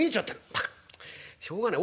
「バカしょうがねえ